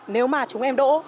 nếu mà chúng em đỗ